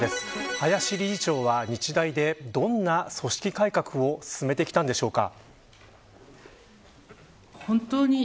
林理事長は日大でどんな組織改革を進めてきたんでしょうか。